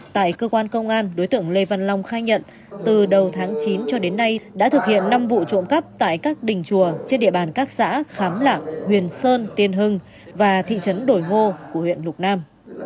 tại cơ quan công an đối tượng lê văn long khai nhận từ đầu tháng chín cho đến nay đã thực hiện năm vụ trộm cắp tại các đình chùa trên địa bàn các xã khám lạng huyền sơn tiên hưng và thị trấn đổi ngô của huyện lục nam